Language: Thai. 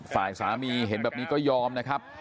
ฝ่ายสามีเห็นแบบนี้ก็ยอมนะครับ